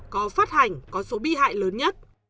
có phát hành có số bị hại lớn nhất